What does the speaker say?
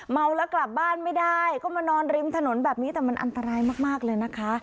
เมาแล้วกลับบ้านไม่ได้ก็มานอนริมถนนแบบนี้แต่มันอันตรายมากเลยนะคะ